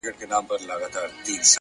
صبر د بریا پخېدل ګړندي کوي،